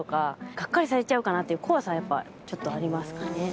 ガッカリされちゃうかなっていう怖さはちょっとありますかね。